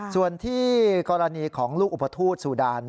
ส่วนที่กรณีของลูกอุปทูตสุดาน